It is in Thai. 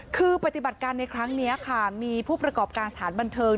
คือปฏิบัติการในครั้งนี้ค่ะมีผู้ประกอบการสถานบันเทิง